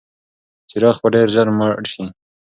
څراغ به ډېر ژر مړ شي.